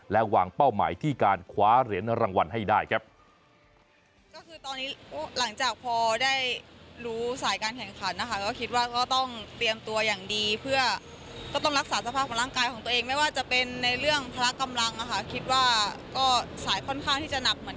และวางเป้าหมายที่การคว้าเหรียญรางวัลให้ได้ครับ